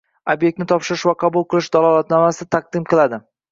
ob’ektni topshirish va qabul qilish dalolatnomasi taqdim qiladi.